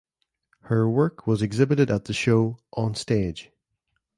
Her work was exhibited at the show On Stage!